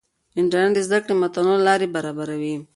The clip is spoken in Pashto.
انټرنیټ د زده کړې متنوع لارې برابروي.